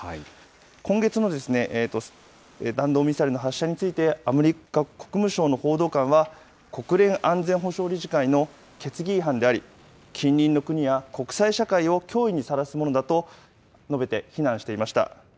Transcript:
今月の弾道ミサイルの発射について、アメリカ国務省の報道官は、国連安全保障理事会の決議違反であり、近隣の国や国際社会を脅威にさらすものだと延べて非難していました。